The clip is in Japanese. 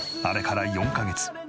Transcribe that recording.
あれから４カ月。